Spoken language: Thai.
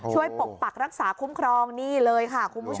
ปกปักรักษาคุ้มครองนี่เลยค่ะคุณผู้ชม